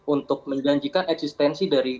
untuk menjanjikan eksistensi dari